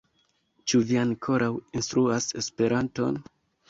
Ĉu vi ankoraŭ instruas Esperanton?